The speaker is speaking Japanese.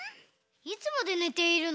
いつまでねているの？